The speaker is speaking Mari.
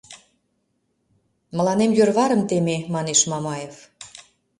— Мыланем йӧрварым теме, — манеш Мамаев.